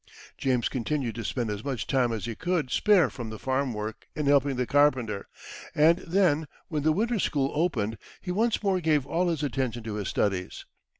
James continued to spend as much time as he could spare from the farm work in helping the carpenter, and then, when the winter school opened, he once more gave all his attention to his studies.